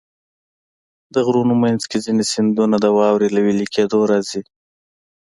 د غرونو منځ کې ځینې سیندونه د واورې له وېلې کېدو راځي.